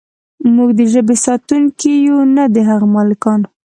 موږ د ژبې ساتونکي یو نه د هغې مالکان.